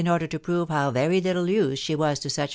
order to prove how very little used she was to such.